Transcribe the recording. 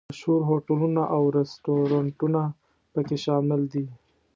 مشهور هوټلونه او رسټورانټونه په کې شامل دي.